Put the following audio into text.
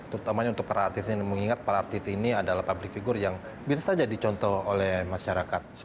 terutamanya untuk para artis ini mengingat para artis ini adalah public figure yang bisa saja dicontoh oleh masyarakat